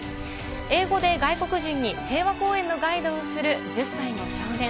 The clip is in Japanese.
英語で外国人に平和公園のガイドをする１０歳の少年。